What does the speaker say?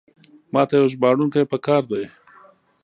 ماته یو ژباړونکی پکار ده.